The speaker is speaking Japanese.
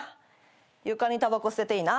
床にたばこ捨てていいな。